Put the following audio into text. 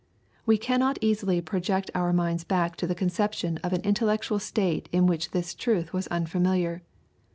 We cannot easily project our minds back to the conception of an intellectual state in which this truth was unfamiliar.